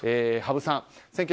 羽生さん